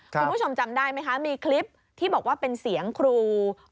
คุณผู้ชมจำได้ไหมคะมีคลิปที่บอกว่าเป็นเสียงครู